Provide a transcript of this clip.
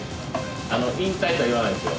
引退とは言わないんですけど。